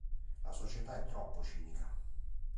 La società è troppo cinica.